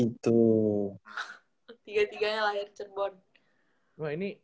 tiga tiganya lahir di cerbon